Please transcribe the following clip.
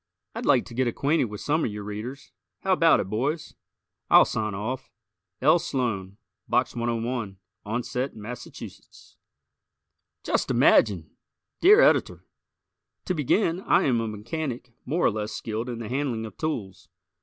I'd like to get acquainted with some of your Readers. How about it, boys? I'll sign off. L. Sloan, Box 101, Onset, Mass. Just Imagine! Dear Editor: To begin, I am a mechanic more or less skilled in the handling of tools.